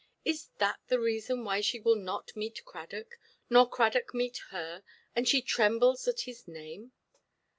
Is that the reason why she will not meet Cradock, nor Cradock meet her, and she trembles at his name?